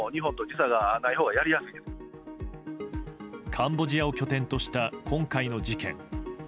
カンボジアを拠点とした今回の事件。